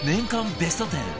ベスト１０